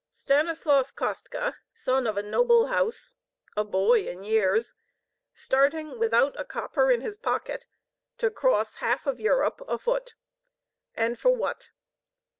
Stanislaus Kostka, son of a noble house, a boy in years, starting without a copper in his pocket to cross half of Europe afoot! And for what?